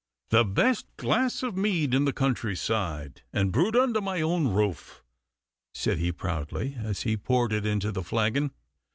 'The best glass of mead in the countryside, and brewed under my own roof,' said he proudly, as he poured it into the flagon.